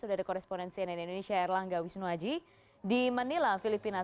sudah ada koresponensi dari indonesia erlangga wisnuwaji di manila filipinas